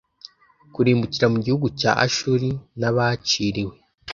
kurimbukira mu gihugu cya ashuri n abaciriwe